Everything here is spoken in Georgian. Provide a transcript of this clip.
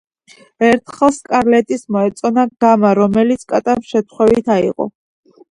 ერთხელ სკარლატის მოეწონა გამა, რომელიც კატამ შემთხვევით „აიღო“.